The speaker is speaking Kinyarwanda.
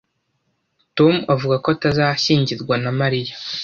Tom avuga ko atazashyingirwa na Mariya.